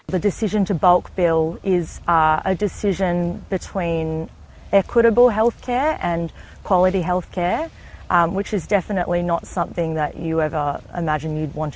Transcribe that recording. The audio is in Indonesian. miss macdonald tidak sendirian